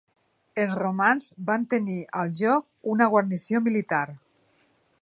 Els romans van tenir al lloc una guarnició militar.